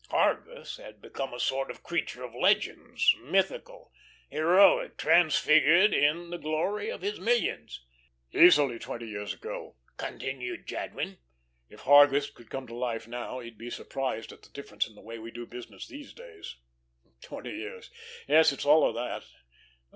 Hargus had become a sort of creature of legends, mythical, heroic, transfigured in the glory of his millions. "Easily twenty years ago," continued Jadwin. "If Hargus could come to life now, he'd be surprised at the difference in the way we do business these days. Twenty years. Yes, it's all of that.